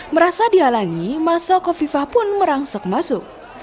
merasa dihalangi masa kofifah pun merangsok masuk